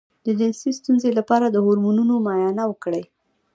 د جنسي ستونزې لپاره د هورمونونو معاینه وکړئ